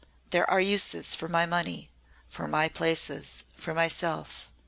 There are uses for my money for my places for myself.